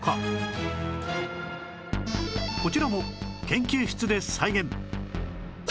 こちらも研究室で再現